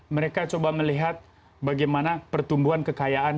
mereka coba melihat bagaimana pertumbuhan kekayaan